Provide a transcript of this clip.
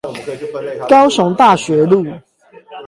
高雄大學路